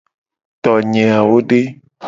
Tonye awo de?